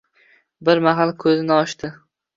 Bir mahal ko‘zini ochdi